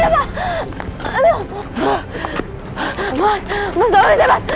mas jangan takut takut